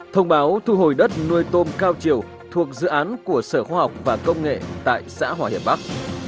thông báo thu hồi đất nuôi tôm cao chiều thuộc dự án của sở khoa học và công nghệ tại xã hòa hiệp bắc